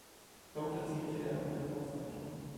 Dort erzielte er auch ein Kopfballtor.